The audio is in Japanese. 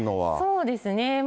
そうですね。